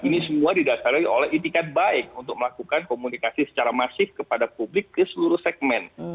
ini semua didasari oleh itikat baik untuk melakukan komunikasi secara masif kepada publik ke seluruh segmen